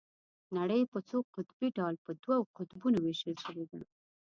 نړۍ په څو قطبي ډول په دوو قطبونو ويشل شوې ده.